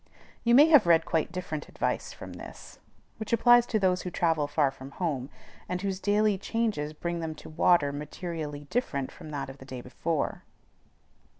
You may have read quite different advice from this, which applies to those who travel far from home, and whose daily changes bring them to water materially different from that of the day before.